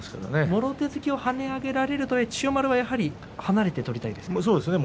もろ手突きを跳ね上げられると千代丸はやはり離れて取りたいですよね。